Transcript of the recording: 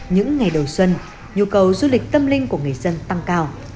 những ngày đầu xuân nhu cầu du lịch tâm linh của người dân tăng cao